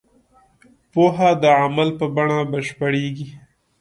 پوهه د عمل په بڼه بشپړېږي.